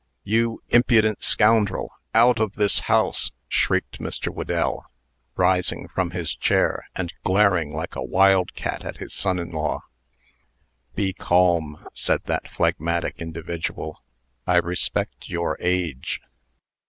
"You impudent scoundrel! out of this house!" shrieked Mr. Whedell, rising from his chair, and glaring like a wildcat at his son in law. "Be calm," said that phlegmatic individual. "I respect your age."